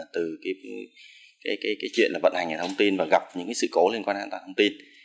từ chuyện vận hành hệ thống tin và gặp những sự cố liên quan an toàn hệ thống tin